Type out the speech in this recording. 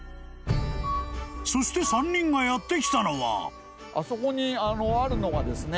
［そして３人がやって来たのは］